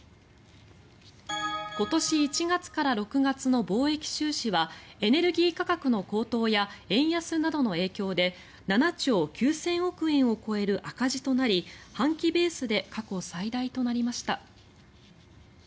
今年１月から６月の貿易収支はエネルギー価格の高騰や円安などの影響で７兆９０００億円を超える赤字となり半期ベースで過去最大となりました。